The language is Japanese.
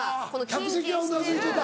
はぁ客席はうなずいてた。